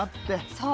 そう。